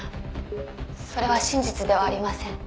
それは真実ではありません」